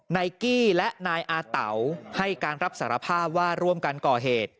กี้และนายอาเต๋าให้การรับสารภาพว่าร่วมกันก่อเหตุ